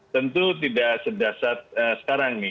tentu tidak sedasar sekarang